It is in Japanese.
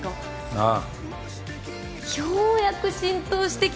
ああ。